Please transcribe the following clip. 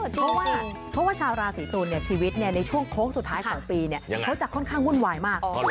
เพราะว่าเพราะว่าชาวราศีตุลชีวิตในช่วงโค้งสุดท้ายของปีเขาจะค่อนข้างวุ่นวายมาก